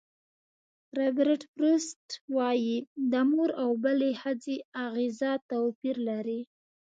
رابرټ فروسټ وایي د مور او بلې ښځې اغېزه توپیر لري.